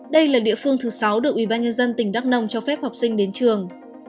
đây là địa phương thứ sáu được ủy ban nhân dân tỉnh đắk nông cho phép học sinh đến trường